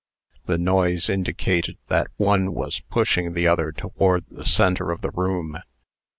The noise indicated that one was pushing the other toward the centre of the room.